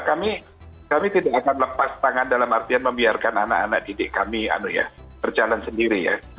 kami tidak akan lepas tangan dalam artian membiarkan anak anak didik kami berjalan sendiri ya